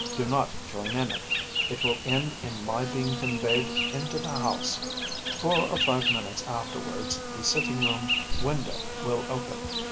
Do not join in it. It will end in my being conveyed into the house. Four or five minutes afterwards the sitting room window will open.